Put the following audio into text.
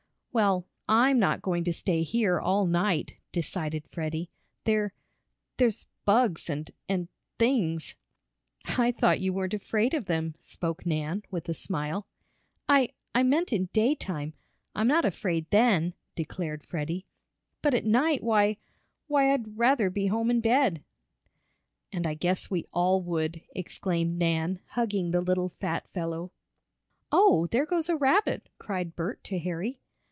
"Well, I'm not going to stay here all night," decided Freddie. "There there's bugs and and things!" "I thought you weren't afraid of them," spoke Nan with a smile. "I I meant in daytime I'm not afraid then," declared Freddie. "But at night, why why, I'd rather be home in bed." "And I guess we all would," exclaimed Nan, hugging the little fat fellow. "Oh, there goes a rabbit!" cried Bert to Harry.